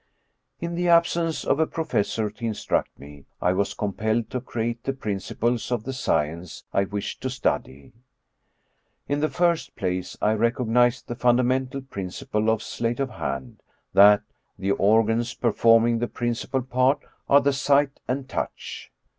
In the absence of a professor to instruct me, I was com pelled to create the principles of the science I wished to study. In the first place, I recognized the fundamental principle of sleight of hand, that the organs performing the principal part are the sight and touch.